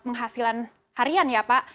penghasilan harian ya pak